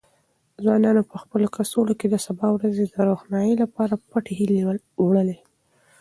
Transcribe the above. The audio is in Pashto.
ځوانانو په خپلو کڅوړو کې د سبا ورځې د روښنايي لپاره پټې هیلې وړلې.